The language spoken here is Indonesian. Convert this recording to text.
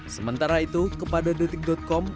sementara itu kepada detik com